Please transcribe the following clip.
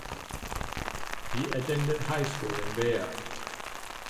He attended high school in Beja.